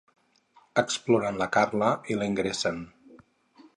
Exploren la Carla i la ingressen.